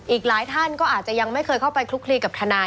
อีกหลายท่านก็อาจจะยังไม่เคยเข้าไปคลุกคลีกับทนาย